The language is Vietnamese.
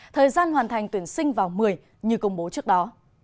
thời gian hoàn thành tuyển sinh vào một mươi như công bố trước đó